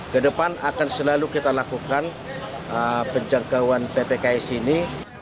ke depan akan selalu kita lakukan penjangkauan ppks ini